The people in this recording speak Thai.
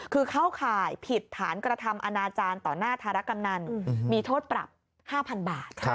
คือเข้าข่ายผิดฐานกระทำอนาจารย์ต่อหน้าธารกำนันมีโทษปรับ๕๐๐๐บาท